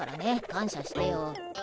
感謝してよ。